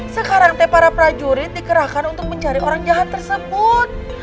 sekarang teh para prajurit dikerahkan untuk mencari orang jahat tersebut